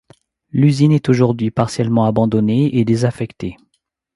L'usine est aujourd'hui partiellement abandonnée et désaffectée.